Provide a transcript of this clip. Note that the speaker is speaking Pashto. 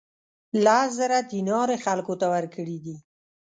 لس زره دینار یې خلکو ته ورکړي دي.